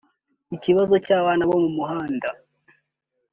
”Ikibazo cy’abana bo mu muhanda